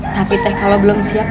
tapi teh kalau belum siap